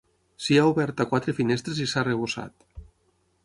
S'hi ha oberta quatre finestres i s'ha arrebossat.